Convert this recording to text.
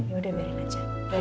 ya udah berin aja